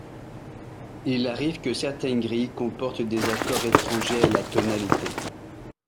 Il arrive que certaines grilles comportent des accords étrangers à la tonalité.